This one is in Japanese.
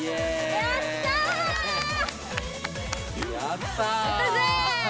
やったぜ！